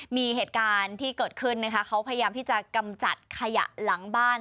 มีเหตุการณ์ที่เกิดขึ้นนะคะเขาพยายามที่จะกำจัดขยะหลังบ้าน